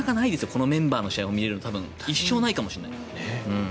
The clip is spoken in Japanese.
このメンバーの試合を見れるという一生ないかもしれない。